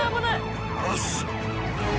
よし！